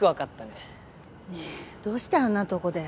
ねえ。どうしてあんなとこで。